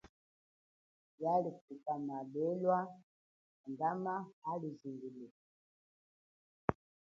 Yalifuka milima, malelwa andama avula ya mujingilika.